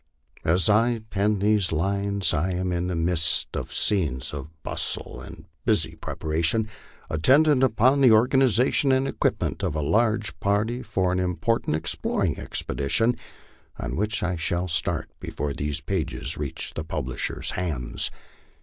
As I pen these lines, I am in the midst of scenes of bustle and busy prepa ration attendant upon the organization and equipment of a large party for an important exploring expedition, on which I shall start before these pages reach the publishers' hands.